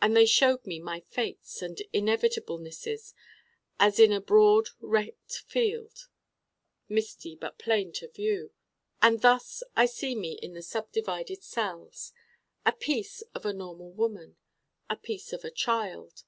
And they showed me my fates and inevitablenesses as in a broad wrecked field misty but plain to view. And thus I see me in the subdivided cells: a piece of a normal woman. a piece of a child.